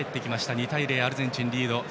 ２対０、アルゼンチンがリード。